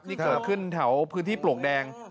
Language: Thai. นี่เกิดขึ้นแถวพื้นที่ปลวกแดง